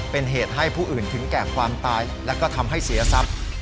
เป็นเหตุให้ผู้อื่นถึงแก่ความตายและก็ทำให้เสียทรัพย์